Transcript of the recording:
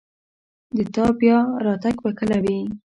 د تا بیا راتګ به کله وي